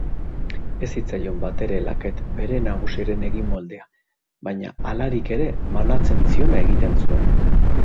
Ez zitzaion batere laket bere nagusiaren eginmoldea, baina halarik ere manatzen ziona egiten zuen.